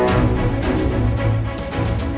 aku mau ke sana